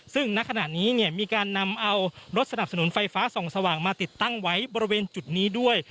ซึ่งณขณะนี้มีการนำเอารถสนับสนุนไฟฟ้าส่องสว่างมาติดตั้งไว้บริเวณจุดนี้ด้วย